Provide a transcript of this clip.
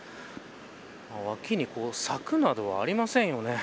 脇に柵などはありませんよね。